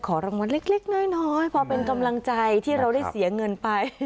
รางวัลเล็กน้อยพอเป็นกำลังใจที่เราได้เสียเงินไป